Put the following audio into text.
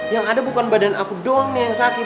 yang ada bukan badan aku doang yang sakit